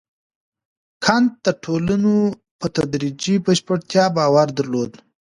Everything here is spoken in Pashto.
کنت د ټولنو په تدريجي بشپړتيا باور درلود.